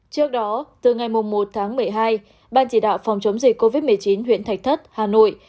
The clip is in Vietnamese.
trước đó từ ngày một tháng một mươi hai ban chỉ đạo phòng chống dịch covid một mươi chín huyện thạch thất hà nội